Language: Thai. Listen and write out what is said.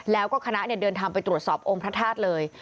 แล้วก็คณะเดินทางไปตรวจสอบองค์พระธาตุเลย